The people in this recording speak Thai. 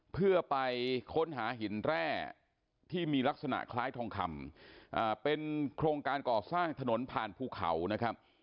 เพื่อไปค้นหาหินแร่ที่มีลักษณะคล้ายทองคำเป็นโครงการก่อสร้างถนนผ่านภูเขานะครับ